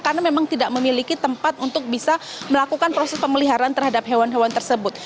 karena memang tidak memiliki tempat untuk bisa melakukan proses pemeliharaan terhadap hewan hewan tersebut